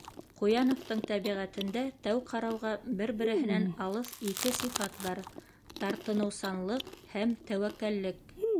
Ҡуяновтың тәбиғәтендә тәү ҡарауға бер-береһенән алыҫ ике сифат бар: тартыныусанлыҡ һәм тәүәккәллек.